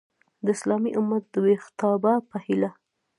د اسلامي امت د ویښتابه په هیله!